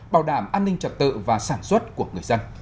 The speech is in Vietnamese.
bảo đảm an ninh trật tự và sản xuất của người dân